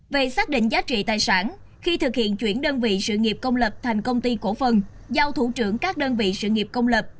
về xác định giá trị tài sản khi thực hiện chuyển đơn vị sự nghiệp công lập thành công ty cổ phần giao thủ trưởng các đơn vị sự nghiệp công lập